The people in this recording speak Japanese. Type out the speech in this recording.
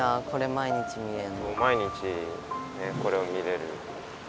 毎日これを見れる。